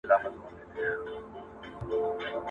کومي طریقې د ذهني تمرکز او ارامتیا لپاره په یوګا کي سته؟